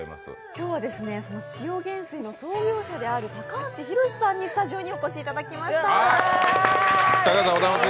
今日は塩元帥の創業者である高橋博司さんにスタジオにお越しいただきました。